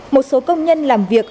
một số công nhân làm việc